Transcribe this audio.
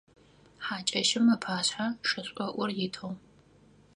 Хьакӏэщым ыпашъхьэ шышӏоӏур итыгъ.